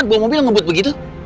jangan menyerah ya